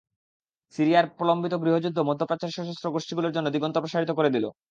সিরিয়ার প্রলম্বিত গৃহযুদ্ধ মধ্যপ্রাচ্যের সশস্ত্র গোষ্ঠীগুলোর জন্য দিগন্ত প্রসারিত করে দিল।